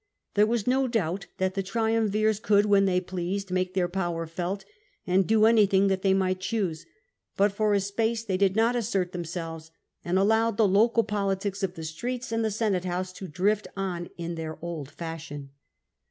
There was no doubt that the triumvirs could, when they pleased, make their power felt, and do anything that they might choose : but for a space they did not assert themselves, and allowed the local politics of the streets and the Senate house to drift on in their old fashion.